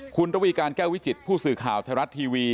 คุณระวีการแก้ววิจิตผู้สื่อข่าวไทยรัฐทีวี